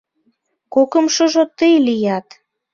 Кокымшыжо тый лият.